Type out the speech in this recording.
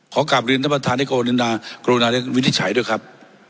ขอกราบเรียนท่านประทานให้กรณากรณาวินิจฉัยด้วยครับ